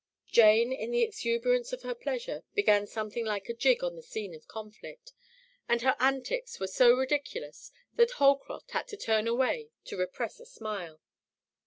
Jane, in the exuberance of her pleasure, began something like a jig on the scene of conflict, and her antics were so ridiculous that Holcroft had to turn away to repress a smile.